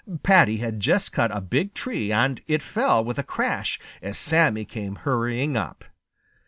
Paddy had just cut a big tree, and it fell with a crash as Sammy came hurrying up.